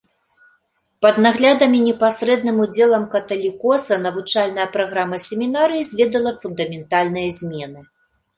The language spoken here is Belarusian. Пад наглядам і непасрэдным удзелам каталікоса навучальная праграма семінарыі зведала фундаментальныя змены.